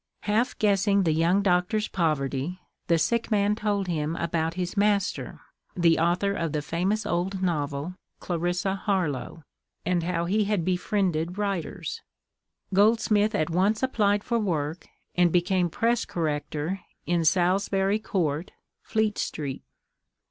Half guessing the young doctor's poverty, the sick man told him about his master, the author of the famous old novel, "Clarissa Harlowe," and how he had befriended writers. Goldsmith at once applied for work, and became press corrector in Salisbury Court, Fleet Street.